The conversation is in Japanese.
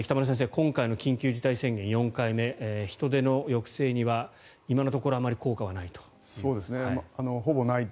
今回の緊急事態宣言４回目人出の抑制には今のところあまり効果はないと。